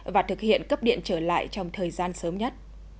và thực hiện cấp điện trở lại trong thời gian sớm nhất